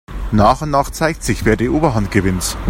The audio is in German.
Nach und nach zeigt sich, wer die Oberhand gewinnt.